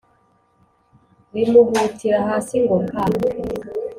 Rimuhutira hasi ngo paaa